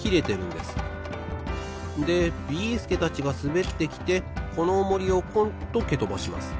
でビーすけたちがすべってきてこのオモリをコンッとけとばします。